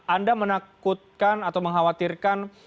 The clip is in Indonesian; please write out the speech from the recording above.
anda menakutkan atau mengkhawatirkan